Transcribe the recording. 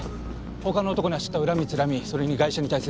他の男に走った恨みつらみそれにガイシャに対する未練。